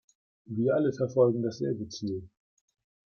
Wir alle verfolgen dasselbe Ziel.